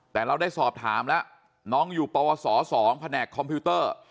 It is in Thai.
แต่เราได้สอบถามแล้วน้องอยู่ปวส๒แผนกคอมพิวเตอร์